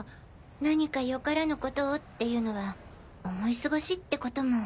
何かよからぬことをっていうのは思い過ごしってことも。